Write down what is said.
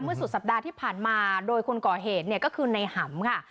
เมื่อสุดสัปดาห์ที่ผ่านมาโดยคนก่อเหตุก็คือในหัมภ์ค่ะ